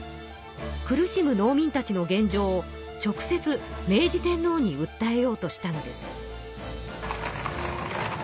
苦しむ農民たちの現状を直接明治天皇に訴えようとしたのです。